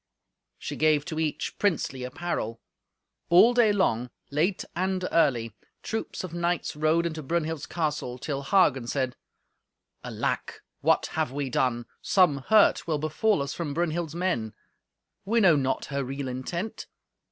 She gave to each princely apparel. All day long, late and early, troops of knights rode into Brunhild's castle, till Hagen said, "Alack! What have we done? Some hurt will befall us from Brunhild's men. We know not her real intent.